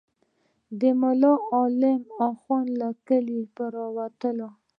د ملا عالم اخند له کلي به راتللو.